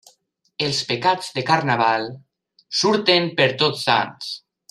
Els pecats de Carnaval surten per Tots Sants.